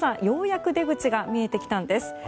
ようやく出口が見えてきたんです。